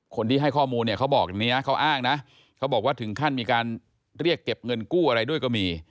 คนที่ให้ข้อมูลเนี่ยเขาบอกอย่างนี้เขาอ้างนะเขาบอกว่าถึงขั้นมีการเรียกเก็บเงินกู้อะไรด้วยก็มี